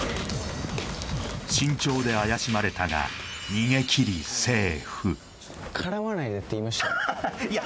身長で怪しまれたが逃げ切りいや